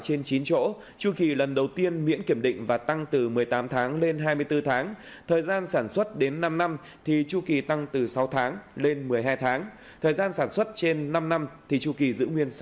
trên chín chỗ chu kỳ lần đầu tiên miễn kiểm định và tăng từ một mươi tám tháng lên hai mươi bốn tháng thời gian sản xuất đến năm năm thì chu kỳ tăng từ sáu tháng lên một mươi hai tháng thời gian sản xuất trên năm năm thì chu kỳ giữ nguyên sẽ